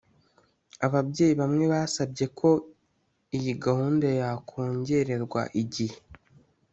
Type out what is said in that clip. ababyeyi bamwe basabye ko iyi gahunda yakongererwa igihe